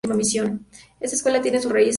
Esta escuela tiene una raíz samurái.